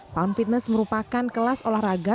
pound fitness merupakan kelas olahraga